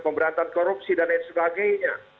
pemberantasan korupsi dan lain sebagainya